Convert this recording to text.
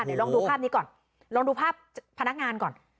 เดี๋ยวลองดูภาพนี้ก่อนลองดูภาพพนักงานก่อน